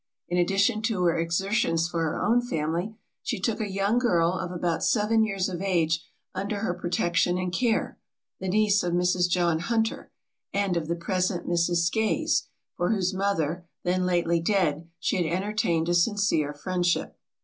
In addition to her exertions for her own family, she took a young girl of about seven years of age under her protection and care, the niece of Mrs. John Hunter, and of the present Mrs. Skeys, for whose mother, then lately dead, she had entertained a sincere friendship.